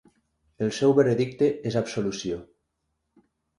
El seu veredicte és absolució.